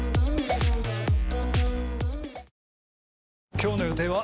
今日の予定は？